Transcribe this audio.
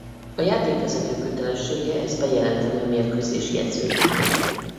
A játékvezető kötelessége ezt bejelenteni a mérkőzés jegyzőjénél.